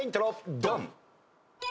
ドン！